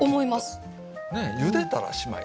ねっゆでたらしまい。